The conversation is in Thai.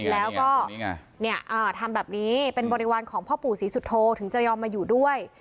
แล้วก็ทำแบบนี้เป็นบริวารของพ่อปู่ศรีสุโธถึงจะยอมมาอยู่ด้วย